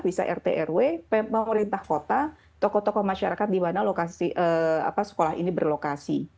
bisa rt rw pemerintah kota tokoh tokoh masyarakat di mana lokasi sekolah ini berlokasi